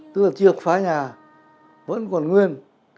tức là trượt phá nhà vẫn còn nguyên